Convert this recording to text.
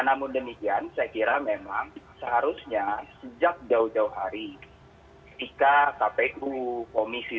namun demikian saya kira memang seharusnya sejak jauh jauh hari ketika kpu komisi